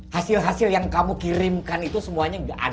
hasil hasil yang kamu kirimkan itu semuanya gak ada